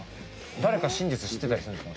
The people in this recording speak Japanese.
誰か真実知ってたりするんですか？